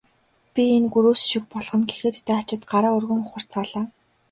Би энэ гөрөөс шиг болгоно гэхэд дайчид гараа өргөн ухарцгаалаа.